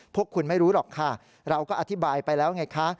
พวกคุณไม่รู้หรอกค่ะเราก็อธิบายไปแล้วไงคะ